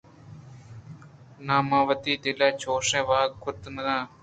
ءُ نا من وتی دل ءَ چُش واہگ کُتگ اَت